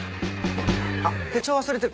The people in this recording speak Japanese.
あっ手帳忘れてる。